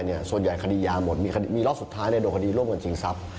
ผู้ใหญ่ส่วนใหญ่คดียาหมดมีล้อสุดท้ายโดยคดีร่วมกับจริงทรัพย์